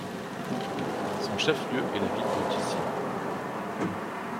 Son chef-lieu est la ville de Jičín.